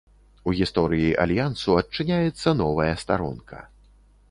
У гісторыі альянсу адчыняецца новая старонка.